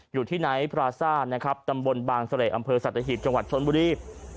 อยู่ที่ไนท์พราซ่านะครับตำบลบางเสล่อำเภอสัตหีบจังหวัดชนบุรี